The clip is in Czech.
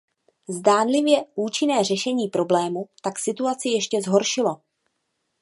Zdánlivě účinné řešení problému tak situaci ještě zhoršilo.